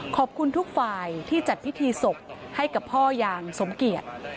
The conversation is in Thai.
ขอบคุณทุกฝ่ายที่จัดพิธีศพให้กับพ่ออย่างสมเกียจ